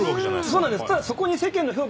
そうなんです。